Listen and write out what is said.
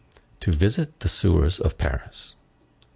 —"To visit the sewers of Paris."